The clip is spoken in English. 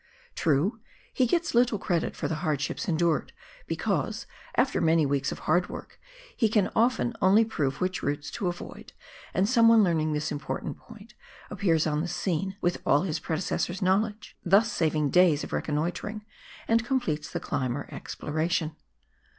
True, he gets little credit for the hardships endured, because, after many weeks of hard work, he can often only prove which routes to avoid, and some one learning this important point, appears on the scene with all his pre decessor's knowledge, thus saving days of reconnoitring, and completes the climb or exploration.